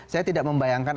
saya tidak membayangkan